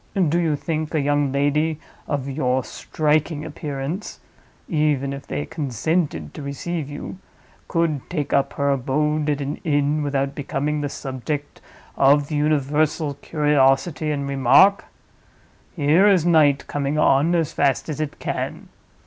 Do you think a young lady of your striking appearance (even if they consented to receive you) could take up her abode at an inn without becoming the subject of universal curiosity and remark? Here is night coming on as fast as it can.